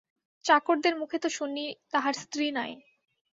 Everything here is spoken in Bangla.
চাকরদের মুখে তো শুনি, তাঁহার স্ত্রী নাই।